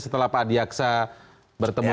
setelah pak adi aksa bertemu